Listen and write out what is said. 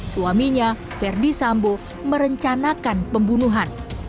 suaminya verdi sambo merencanakan pembunuhan